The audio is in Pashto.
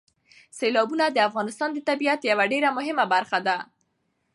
سیلابونه د افغانستان د طبیعت یوه ډېره مهمه برخه ده.